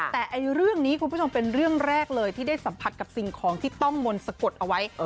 แต่เรื่องนี้คุณผู้ชมเป็นเรื่องแรกเลยที่ได้สัมผัสกับสิ่งของที่ต้องมนต์สะกดเอาไว้